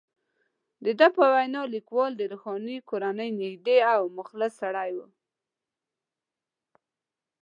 د ده په وینا، لیکوال د روښاني کورنۍ نږدې او مخلص سړی وو.